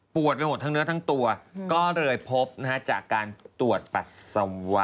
ไปหมดทั้งเนื้อทั้งตัวก็เลยพบจากการตรวจปัสสาวะ